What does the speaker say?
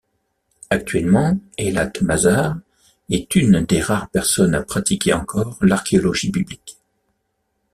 Actuellement, Eilat Mazar est une des rares personnes à pratiquer encore l'archéologie biblique.